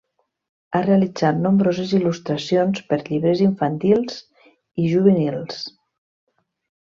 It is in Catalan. Ha realitzat nombroses il·lustracions per llibres infantils i juvenils.